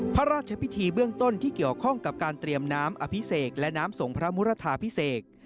พระราชพิธีเบื้องต้นที่เกี่ยวข้องกับการเตรียมน้ำอภิเษกและน้ำสงพระมุรทาพิเศษ